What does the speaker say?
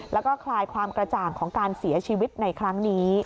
แล้วก็คลายความกระจ่างของการเสียชีวิตในครั้งนี้